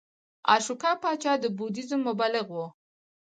اشوکا پاچا د بودیزم مبلغ و